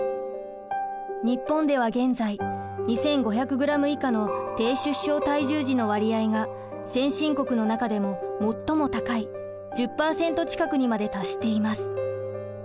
日本では現在２，５００グラム以下の低出生体重児の割合が先進国の中でも最も高い１０％近くにまで達しています。